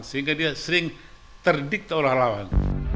sehingga dia sering terdikt olah lawan